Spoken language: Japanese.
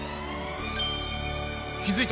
気付いた？